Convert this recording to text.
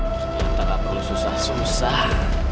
ternyata gak perlu susah susah